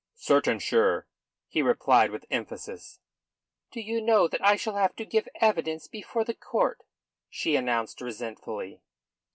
"Certain sure," he replied with emphasis. "Do you know that I shall have to give evidence before the court?" she announced resentfully.